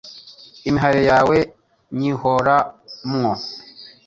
Imihayo yawe nyihora mwo.